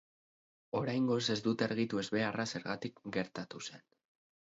Oraingoz ez dute argitu ezbeharra zergatik gertatu zen.